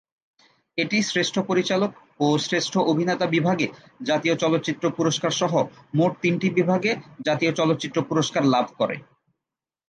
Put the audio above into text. এটি শ্রেষ্ঠ পরিচালক ও শ্রেষ্ঠ অভিনেতা বিভাগে জাতীয় চলচ্চিত্র পুরস্কারসহ মোট তিনটি বিভাগে জাতীয় চলচ্চিত্র পুরস্কার লাভ করে।